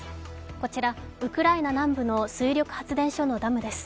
こちらウクライナ南部の水力発電所のダムです。